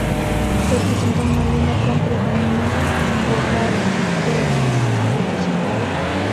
Representa una línea con predominio vocal y del sintetizador.